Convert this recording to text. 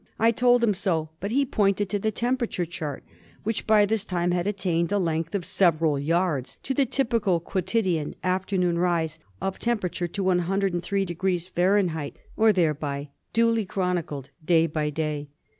I told him so; but he pointed to the temperature chart which by this time had attained a length of several yards, to the typical quotidian after noon rise of temperature to 103° Fahr., or thereby, duly DIAGNOSIS OF MALARIA. 1 57 chronicled day by day.